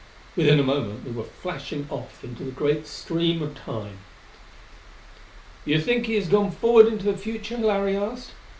Within a moment we were flashing off into the great stream of Time.... "You think he has gone forward into the future?" Larry asked.